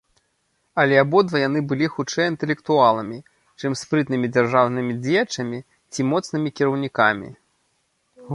Але абодва яны былі хутчэй інтэлектуаламі, чым спрытнымі дзяржаўнымі дзеячамі ці моцнымі кіраўнікамі.